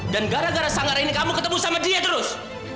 dan gara gara sang hari ini kamu ketemu sama dia terus